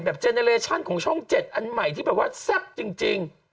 เจเนอเลชั่นของช่อง๗อันใหม่ที่แบบว่าแซ่บจริง